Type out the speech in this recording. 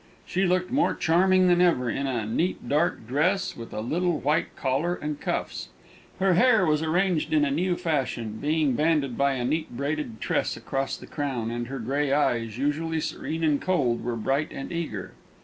She looked more charming than ever, in a neat dark dress, with a little white collar and cuffs. Her hair was arranged in a new fashion, being banded by a neat braided tress across the crown; and her grey eyes, usually serene and cold, were bright and eager.